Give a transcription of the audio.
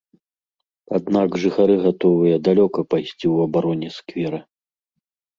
Аднак жыхары гатовыя далёка пайсці ў абароне сквера.